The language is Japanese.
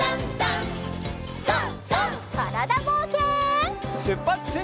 からだぼうけん。